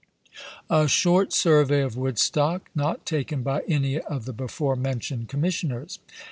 A SHORT SURVEY OF WOODSTOCK, NOT TAKEN BY ANY OF THE BEFORE MENTIONED COMMISSIONERS.